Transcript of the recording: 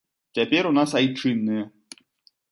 Цяпер у нас айчынныя.